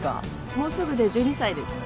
もうすぐで１２歳です。